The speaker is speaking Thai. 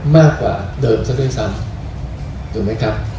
มากกว่าเดิมซะด้วยซ้ำถูกไหมครับ